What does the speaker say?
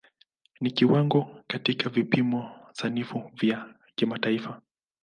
Ni kiwango katika vipimo sanifu vya kimataifa.